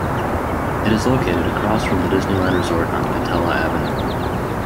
It is located across from the Disneyland Resort on Katella Avenue.